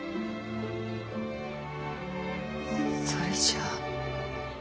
それじゃあ。